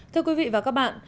thưa quý vị và các bạn